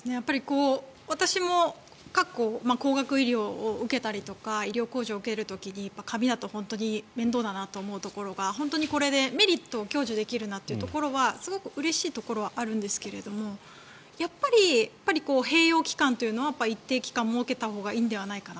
私も過去高額医療を受けたりとか医療控除を受ける時に紙だと本当に面倒だなと思うところが、これでメリットを享受できるなというところはすごくうれしいところはあるんですがやっぱり併用期間というのは一定期間設けたほうがいいんではないかな。